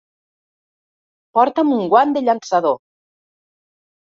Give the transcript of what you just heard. Porta'm un guant de llançador!